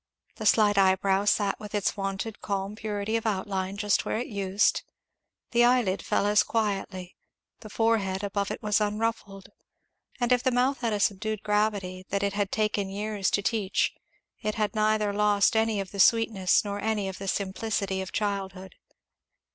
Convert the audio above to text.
The slight eyebrow sat with its wonted calm purity of outline just where it used; the eyelid fell as quietly; the forehead above it was as unruffled; and if the mouth had a subdued gravity that it had taken years to teach, it had neither lost any of the sweetness nor any of the simplicity of childhood.